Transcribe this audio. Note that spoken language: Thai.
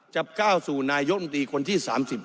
ก้าวสู่นายกรรมตรีคนที่๓๐